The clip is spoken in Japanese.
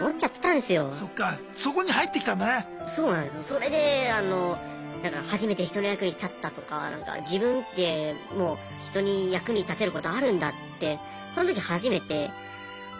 それであの初めて人の役に立ったとか自分って人に役に立てることあるんだってその時初めて思って。